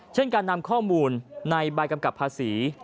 เช่นการนำข้อมูลในใบกำกับภาษี